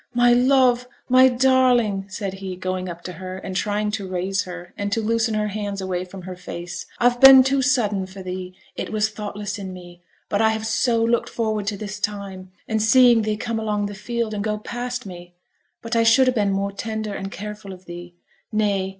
'My love, my darling!' said he, going up to her, and trying to raise her, and to loosen her hands away from her face. 'I've been too sudden for thee: it was thoughtless in me; but I have so looked forward to this time, and seeing thee come along the field, and go past me, but I should ha' been more tender and careful of thee. Nay!